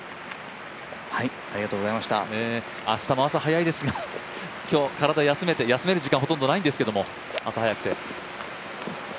明日も朝早いですが、体を休めて休める時間ほとんどないんですけど朝早くて。